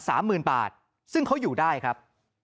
หมื่นบาทซึ่งเขาอยู่ได้ครับ